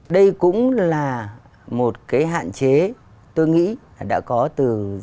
đây cũng là một hạn chế tôi nghĩ đã có từ rất